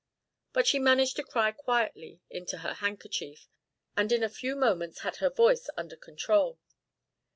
But she managed to cry quietly into her handkerchief, and in a few moments had her voice under control.